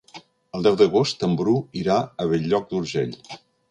El deu d'agost en Bru irà a Bell-lloc d'Urgell.